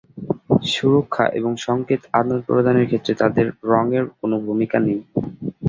সুরক্ষা এবং সংকেত আদান-প্রদানের ক্ষেত্রে তাদের রংয়ের কোন ভূমিকা নেই।